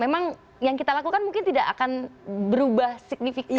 memang yang kita lakukan mungkin tidak akan berubah signifikan